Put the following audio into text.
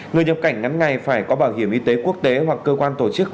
người nhập cảnh ngắn ngày phải có bảo hiểm y tế quốc tế hoặc cơ quan tổ chức